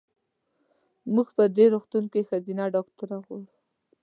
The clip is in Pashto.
مونږ په دې روغتون کې ښځېنه ډاکټره غواړو.